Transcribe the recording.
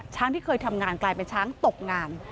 ที่เคยทำงานกลายเป็นช้างตกงาน